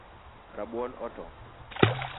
Rabuon otop